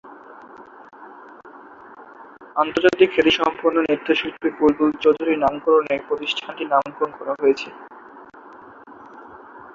আন্তর্জাতিক খ্যাতি সম্পন্ন নৃত্যশিল্পী বুলবুল চৌধুরীর নামকরণে এ প্রতিষ্ঠানটির নামকরণ করা হয়েছে।